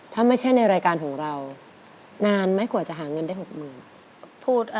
ถ้าไม่ใช่ในรายการของเรานานไหมกว่าจะหาเงินได้๖๐๐๐บาท